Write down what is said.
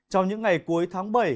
trong những ngày cuối tháng bảy